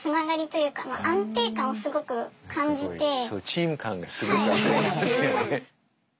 チーム感がすごくあるんですよね。